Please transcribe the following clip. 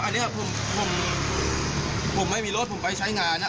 แต่ทีนี้ผมไม่ให้ยก